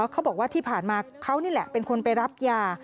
เขาบอกว่าที่ผ่านมาเขานี่แหละเป็นคนไปรับยา